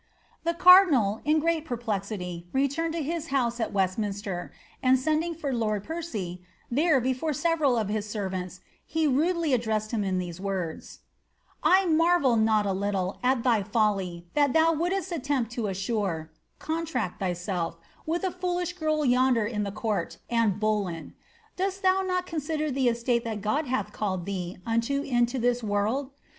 The cardinal, in great perplexity, returned to his house at Westmin ster, and sending for loid Percy, there, before several of his servants, he rudely addreraed him in these words :'^ I marvel not a little at thy foUy, thai thou wouldst thus attempt to assure [contract] thyself with a foolish girl yonder in the court, Anne Bullen ; dost thou not consider the estate that God hath called thee unto in this world